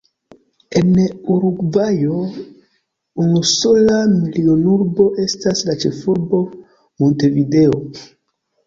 En Urugvajo unusola milionurbo estas la ĉefurbo Montevideo.